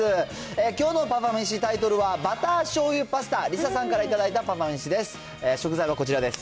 きょうのパパめし、タイトルはバターしょうゆパスタ、梨紗さんから頂いたパパめしです。